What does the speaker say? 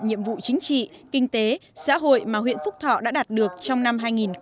nhiệm vụ chính trị kinh tế xã hội mà huyện phúc thọ đã đạt được trong năm hai nghìn một mươi tám